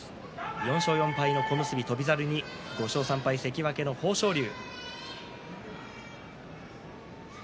４勝４敗、小結の翔猿に５勝３敗、関脇の豊昇龍。